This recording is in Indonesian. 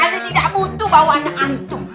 ana tidak butuh bawa anak antum